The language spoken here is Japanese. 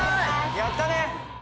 やったね！